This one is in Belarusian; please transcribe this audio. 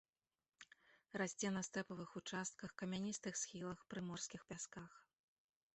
Расце на стэпавых участках, камяністых схілах, прыморскіх пясках.